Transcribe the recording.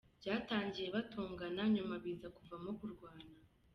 Byatangiye batongana nyuma biza kuvamo kurwana.